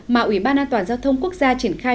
mà ủy ban an toàn giao thông quốc gia triển khai